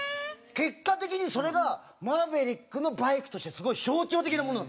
結果的にそれがマーヴェリックのバイクとしてすごい象徴的なものになったんです。